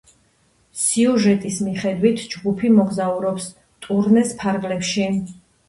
სიუჟეტის მიხედვით, ჯგუფი მოგზაურობს ტურნეს ფარგლებში.